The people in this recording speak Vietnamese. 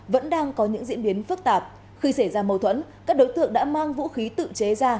vẫn đang có những diễn biến phức tạp khi xảy ra mâu thuẫn các đối tượng đã mang vũ khí tự chế ra